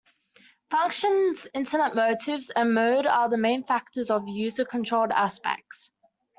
Functions, Internet motives and mode are the main factors of user controlled aspects.